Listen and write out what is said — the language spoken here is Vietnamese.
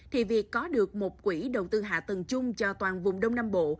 thì việc có được một quỹ đầu tư hạ tầng chung cho toàn vùng đông nam bộ